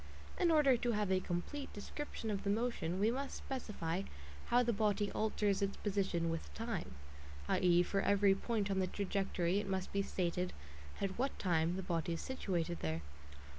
In order to have a complete description of the motion, we must specify how the body alters its position with time ; i.e. for every point on the trajectory it must be stated at what time the body is situated there.